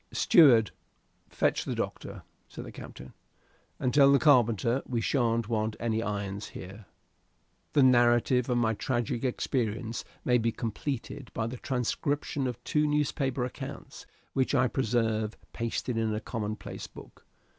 "Steward, fetch the doctor," said the captain, "and tell the carpenter we shan't want any irons here." The narrative of my tragic experience may be completed by the transcription of two newspaper accounts, which I preserve pasted in a commonplace book.